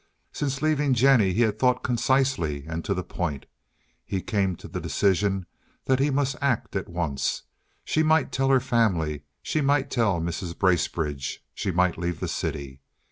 Since leaving Jennie he had thought concisely and to the point. He came to the decision that he must act at once. She might tell her family, she might tell Mrs. Bracebridge, she might leave the city.